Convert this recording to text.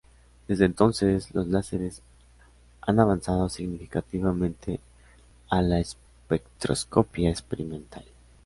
Desde entonces, los láseres han avanzado significativamente a la espectroscopia experimental.